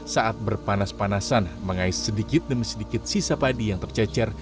saat berpanas panasan mengais sedikit demi sedikit sisa padi yang tercecer